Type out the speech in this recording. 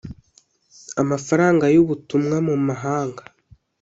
amafaranga y ubutumwa mu mahanga